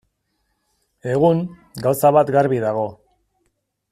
Egun, gauza bat garbi dago.